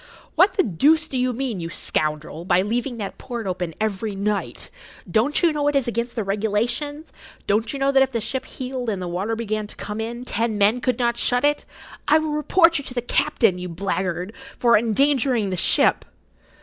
"What the deuce do you mean, you scoundrel, by leaving that port open every night? Don't you know it is against the regulations? Don't you know that if the ship heeled and the water began to come in, ten men could not shut it? I will report you to the captain, you blackguard, for endangering the ship!"